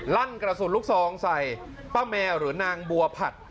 ลั่นกระสุนลูกซองใส่ป้าแมวหรือนางบัวผัด